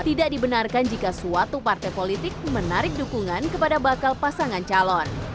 tidak dibenarkan jika suatu partai politik menarik dukungan kepada bakal pasangan calon